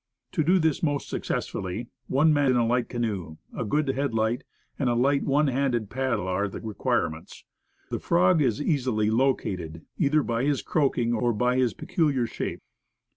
To do this most suc cessfully, one man in a light canoe, a good headlight and a light, one handed paddle, are the requirements. The frog is easily located, either by his croaking, or by his peculiar shape.